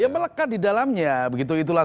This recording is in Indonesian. ya melekat di dalamnya begitu itulah